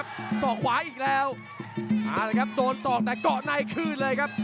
มาเลยครับโดนศอกแต่เกาะในคืนเลยครับ